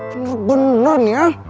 bener bener nih ya